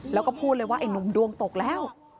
แล้วก็พูดเลยว่าไอ้หนุ่มดวงตกแล้ว